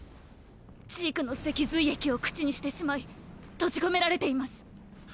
ジークの脊髄液を口にしてしまい閉じ込められています。！！